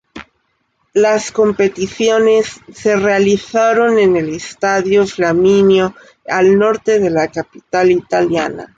Las competiciones se realizaron en el Estadio Flaminio, al norte de la capital italiana.